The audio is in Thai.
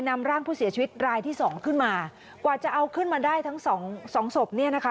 นำร่างผู้เสียชีวิตรายที่สองขึ้นมากว่าจะเอาขึ้นมาได้ทั้งสองสองศพเนี่ยนะคะ